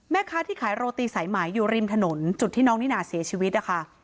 แม่ค้าที่ขายโรตีสายไหมอยู่ริมถนนจุดที่น้องนิน่าเสียชีวิตนะคะ